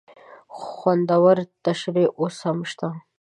خوندور شریخ اوس هم شته؟